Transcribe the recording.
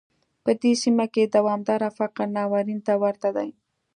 په دې سیمه کې دوامداره فقر ناورین ته ورته دی.